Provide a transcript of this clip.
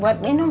buat minum ya